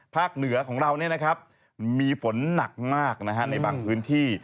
เหนือของเรามีฝนหนักมากในบางพื้นที่